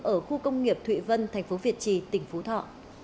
ở khu công nghiệp thụy vân tp việt trì tỉnh phú thọ